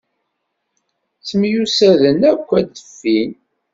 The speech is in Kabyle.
Ttemyussaden akk ad d-ffin.